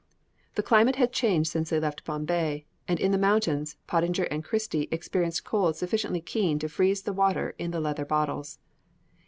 ] The climate had changed since they left Bombay, and in the mountains, Pottinger and Christie experienced cold sufficiently keen to freeze the water in the leather bottles.